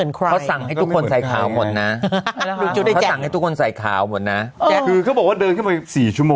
อืมอ่าเขาก็ไปกันเนี่ยคุณพระดำดูสิฮะ